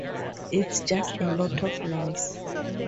It's just a lot of noise.